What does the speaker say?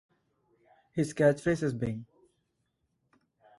His catchphrase is, Bing!